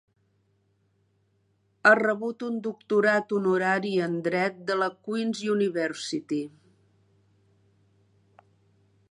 Ha rebut un doctorat honorari en dret de la Queen's University.